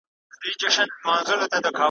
مړ چي دي رقیب وینم، خوار چي محتسب وینم `